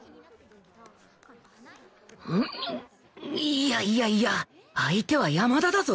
いやいやいや相手は山田だぞ